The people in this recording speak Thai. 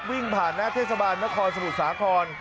วิ่งผ่านหน้าเทศบาลนครสมุทรสาคร